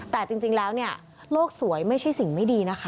แต่จริงแล้วเนี่ยโลกสวยไม่ใช่สิ่งไม่ดีนะคะ